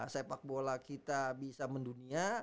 sepak bola kita bisa mendunia